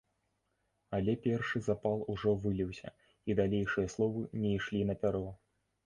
Але першы запал ужо выліўся, і дальшыя словы не ішлі на пяро.